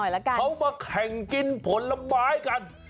เขามาแข่งกินผลไม้กัน